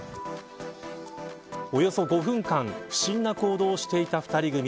およそ５分間不審な行動をしていた２人組。